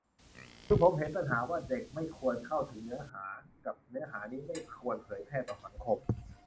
คือผมเห็นว่าปัญหาว่า "เด็กไม่ควรเข้าถึงเนื้อหา" กับ "เนื้อหานี้ไม่ควรเผยแพร่ต่อสังคม"